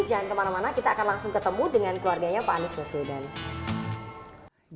jangan kemana mana kita akan langsung ketemu dengan keluarganya pak anies baswedan